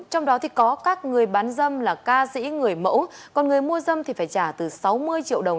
trong đó thì có các người bán dâm là ca sĩ người mẫu còn người mua dâm thì phải trả từ sáu mươi triệu đồng